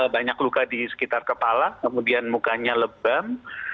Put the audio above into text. banyak luka di sekitar kepala kemudian mukanya lebam